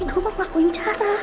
ini gue mau ngelakuin cara aja